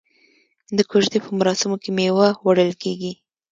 د کوژدې په مراسمو کې میوه وړل کیږي.